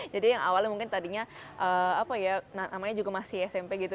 jadi yang awalnya mungkin tadinya apa ya namanya juga masih smp gitu